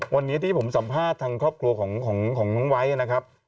วันนี้ที่ผมสัมภาษณ์ทางครอบครัวของน้องไว้นะครับ